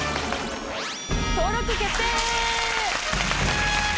登録決定！